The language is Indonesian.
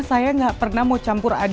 saya terus ada scared